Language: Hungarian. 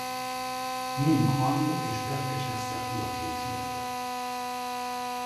Munk Manó és Berkes Eszter fiaként született.